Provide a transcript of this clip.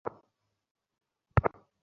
বিমান থেকে ফসলে কীটনাশক স্প্রে করার জন্য।